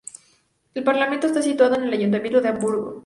El parlamento está situado en el ayuntamiento de Hamburgo.